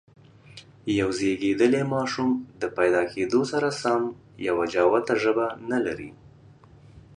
یو زېږيدلی ماشوم د پیدا کېدو سره سم یوه جوته ژبه نه لري.